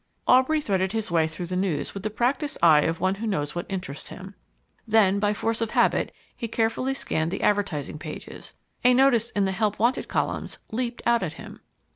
Aubrey threaded his way through the news with the practiced eye of one who knows what interests him. Then, by force of habit, he carefully scanned the advertising pages. A notice in the HELP WANTED columns leaped out at him.